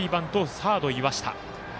サード、岩下。